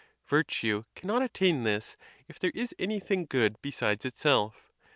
Virtue cannot attain this, if there is anything good besides itself.